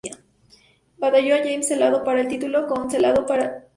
Batalló a James Calado para el título, con Calado que salió en tapa.